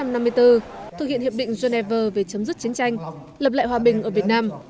năm một nghìn chín trăm năm mươi bốn thực hiện hiệp định geneva về chấm dứt chiến tranh lập lại hòa bình ở việt nam